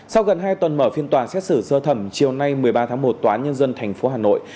sau gần hai tuần mở phiên tòa xét xử sơ thẩm chiều nay một mươi ba tháng một tòa nhân dân tp hà nội